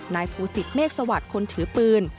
นายภูศิษฐเมฆสวัสดิ์คนถือปืน